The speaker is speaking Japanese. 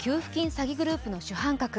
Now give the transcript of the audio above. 詐欺グループの主犯格。